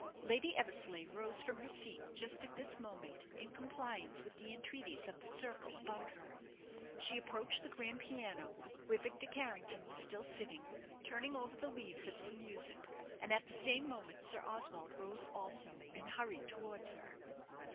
Lady Eversleigh rose from her seat just at this moment, in compliance with the entreaties of the circle about her. She approached the grand piano, where Victor Carrington was still sitting, turning over the leaves of some music, and at the same moment Sir Oswald rose also, and hurried towards her.